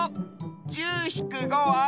「１０ひく５」は？